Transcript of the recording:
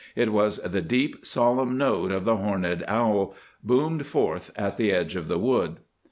It was the deep, solemn note of the horned owl, boomed forth at the edge of the wood.